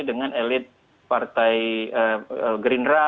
dengan elit partai gerindra